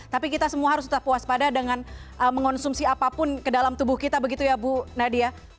tapi kita semua harus tetap puas pada dengan mengonsumsi apapun ke dalam tubuh kita begitu ya bu nadia